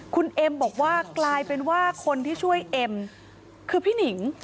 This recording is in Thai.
คุณเอ็มบอกว่ากลายเป็นว่าคนที่ช่วยเอ็มคือพี่หนิง